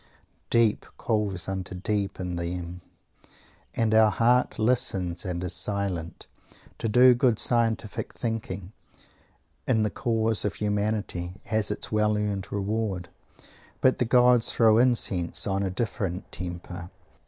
Deep calls unto deep in them, and our heart listens and is silent. To do good scientific thinking in the cause of humanity has its well earned reward; but the gods throw incense on a different temper.